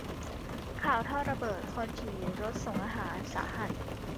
ข่าวท่อระเบิดคนขี่รถส่งอาหารสาหัส